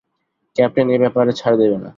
Captain এ ব্যাপারে ছাড় দেবে না।